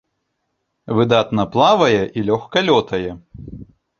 Выдатна плавае і лёгка лётае.